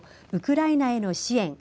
ウクライナへの支援